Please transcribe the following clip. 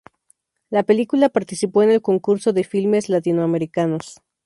La película participó en el Concurso de Filmes Latinoamericanos.